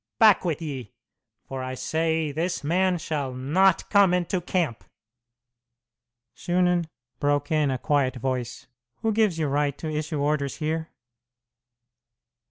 Back with ye! For I say this man shall not come into camp!" "Shunan," broke in a quiet voice, "who gives you right to issue orders here?"